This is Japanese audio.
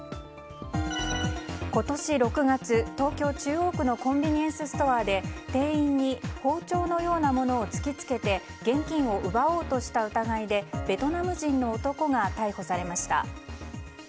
今年６月、東京・中央区のコンビニエンスストアで店員に包丁のようなものを突き付けて現金を奪おうとした疑いでベトナム人の男が逮捕されました。